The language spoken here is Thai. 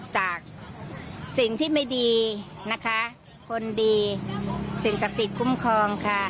จากสิ่งที่ไม่ดีนะคะคนดีสิ่งศักดิ์สิทธิ์คุ้มครองค่ะ